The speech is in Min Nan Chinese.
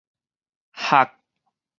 蓄